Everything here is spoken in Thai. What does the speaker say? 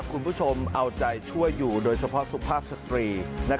คุณผู้ชมเอาใจช่วยอยู่โดยเฉพาะสุภาพสตรี